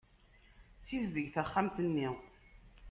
Sizdeg taxxamt-nni.